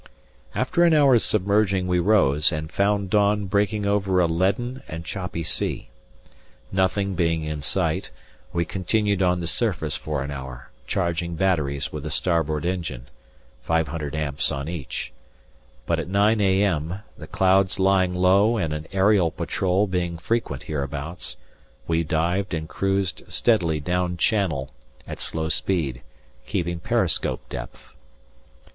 After an hour's submerging we rose, and found dawn breaking over a leaden and choppy sea. Nothing being in sight, we continued on the surface for an hour, charging batteries with the starboard engine (500 amps on each), but at 9 a.m., the clouds lying low and an aerial patrol being frequent hereabouts, we dived and cruised steadily down channel at slow speed, keeping periscope depth.